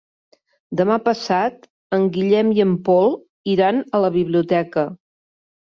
Demà passat en Guillem i en Pol iran a la biblioteca.